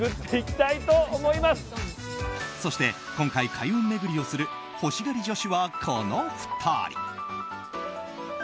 そし今回、開運巡りをする欲しがり女子はこの２人。